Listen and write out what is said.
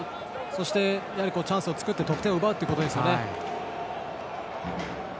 そしてチャンスを作って得点を奪うことですよね。